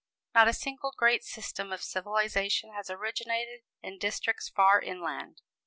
Not a single great system of civilization has originated in districts far inland.